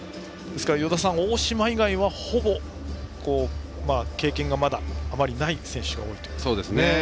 大島以外は、ほぼ経験があまりない選手が多いと。